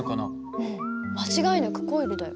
うん間違いなくコイルだよ。